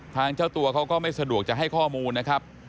เจ้าตัวเขาก็ไม่สะดวกจะให้ข้อมูลนะครับ